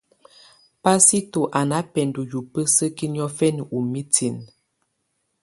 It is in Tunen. Pasito à nà bɛndɔ̀ yùbǝ́sǝkiǝ́ niɔfɛ̀nɛ ù mitinǝ.